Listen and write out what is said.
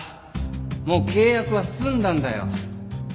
もう契約は済んだんだよ。